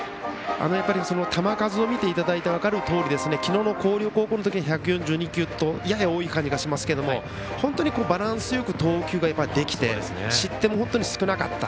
球数を見ていただいて分かるとおり広陵高校のときは１４２球とやや多い感じがしますが本当にバランスよく投球ができて失点も本当に少なかった。